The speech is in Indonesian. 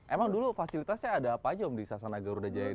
emang dulu fasilitasnya ada apa aja om di sasana garuda jaya ini